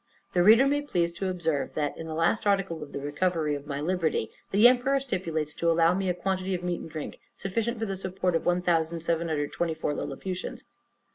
The reader may please to observe, that, in the last article for the recovery of my liberty, the emperor stipulates to allow me a quantity of meat and drink sufficient for the support of 1724 Lilliputians.